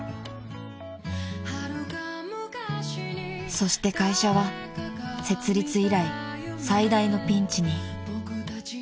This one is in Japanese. ［そして会社は設立以来最大のピンチに］